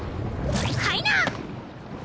はいな！